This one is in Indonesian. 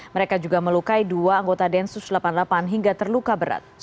mereka juga melukai dua anggota densus delapan puluh delapan hingga terluka berat